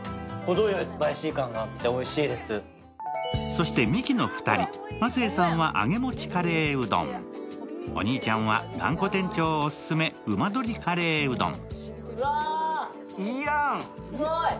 そしてミキの２人、亜生さんは揚げ餅カレーうどん、お兄ちゃんは頑固店長オススメ、旨鶏カレーうどん。